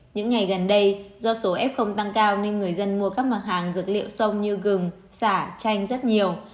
những ngày gần đây do số f tăng cao nên người dân mua các mặt hàng dược liệu sông như gừng xả chanh rất nhiều